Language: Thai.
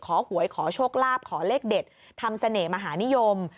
หวยขอโชคลาภขอเลขเด็ดทำเสน่หมหานิยม